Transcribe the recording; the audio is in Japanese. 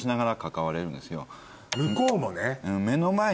向こうもね。